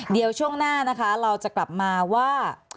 เดี๋ยวช่วงหน้านะคะเราจะกลับมาว่า